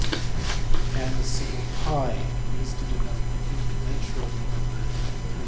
and the symbol TT used to denote the incommensurable number 3 14159....